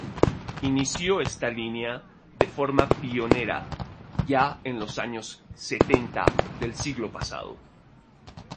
Inició esta línea, de forma pionera, ya en los años setenta del siglo pasado.